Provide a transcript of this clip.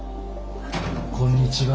こんにちは。